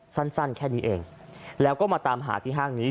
สั้นแค่นี้เองแล้วก็มาตามหาที่ห้างนี้